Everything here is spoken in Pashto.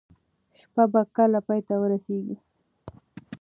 شپه به کله پای ته ورسیږي؟